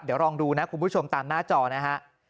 เดี๋ยวลองดูนะคุณผู้ชมตามหน้าจอนะฮะ